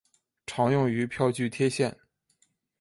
常用于票据贴现。